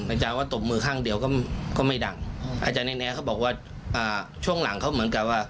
อาจารย์ว่าตบมือข้างเดียวก็ไม่ดังอาจารย์แน่เขาบอกว่าอ่าช่วงหลังเขาเหมือนกับว่า